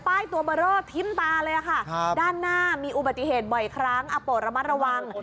ตัวเบอร์เรอทิ้มตาเลยค่ะด้านหน้ามีอุบัติเหตุบ่อยครั้งอาโปรระมัดระวัง